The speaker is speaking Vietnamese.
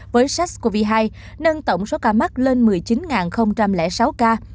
với sars cov hai nâng tổng số ca mắc lên một mươi chín sáu ca